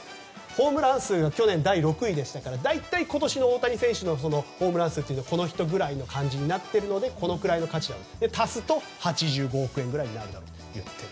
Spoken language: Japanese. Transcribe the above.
ホームラン数が去年、第６位でしたから大体今年の大谷選手のホームラン数はこの人くらいの感じになっているのでこのくらいの価値がある。